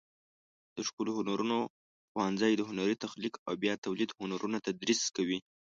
د ښکلو هنرونو پوهنځی د هنري تخلیق او بیا تولید هنرونه تدریس کوي.